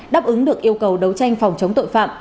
đáp ứng được yêu cầu đấu tranh phòng chống tội phạm